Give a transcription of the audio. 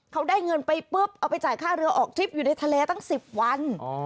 เขาได้เงินไปปุ๊บเอาไปจ่ายค่าเรือออกทริปอยู่ในทะเลตั้ง๑๐วัน